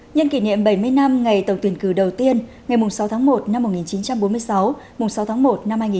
nhân kỷ niệm bảy mươi năm ngày tổng tuyển cử đầu tiên ngày sáu tháng một năm một nghìn chín trăm bốn mươi sáu sáu tháng một năm hai nghìn hai mươi